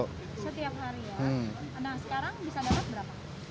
setiap hari ya nah sekarang bisa dapet berapa